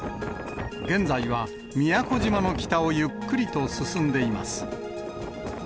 現在は宮古島の北をゆっくりと進んでいます。